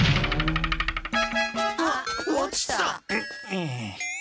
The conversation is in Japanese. あっ落ちた。